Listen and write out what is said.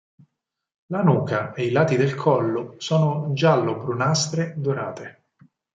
La nuca e i lati del collo sono giallo-brunastre dorate.